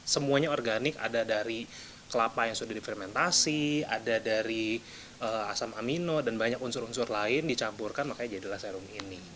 semuanya organik ada dari kelapa yang sudah difermentasi ada dari asam amino dan banyak unsur unsur lain dicampurkan makanya jadilah serum ini